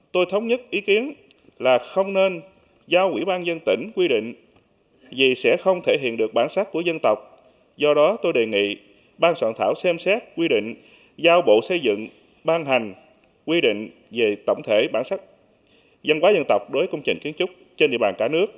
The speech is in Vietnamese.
tôi thống nhất ý kiến là không nên giao quỹ ban dân tỉnh quy định vì sẽ không thể hiện được bản sắc của dân tộc do đó tôi đề nghị ban soạn thảo xem xét quy định giao bộ xây dựng ban hành quy định về tổng thể bản sắc văn hóa dân tộc đối với công trình kiến trúc trên địa bàn cả nước